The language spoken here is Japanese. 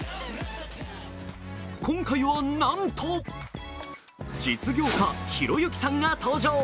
今回はなんと実業家・ひろゆきさんが登場。